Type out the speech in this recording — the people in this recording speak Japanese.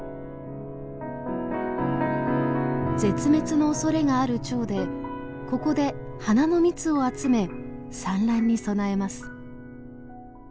絶滅のおそれがあるチョウでここで花の蜜を集め産卵に備えます。